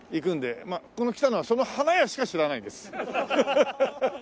まあこの北野はその花屋しか知らないです。